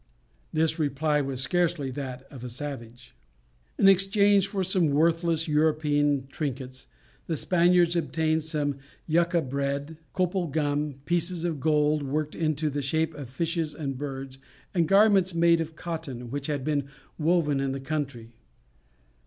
This reply was scarcely that of a savage! In exchange for some worthless European trinkets, the Spaniards obtained some Yucca bread, copal gum, pieces of gold worked into the shape of fishes or birds, and garments made of cotton, which had been woven in the country.